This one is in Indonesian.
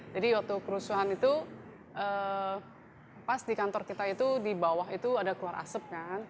jadi waktu kerusuhan itu pas di kantor kita itu di bawah itu ada keluar asap kan